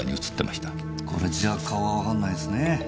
これじゃ顔はわかんないっすねぇ。